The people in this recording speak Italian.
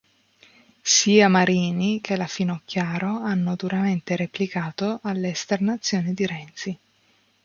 Sia Marini che la Finocchiaro hanno duramente replicato alle esternazioni di Renzi.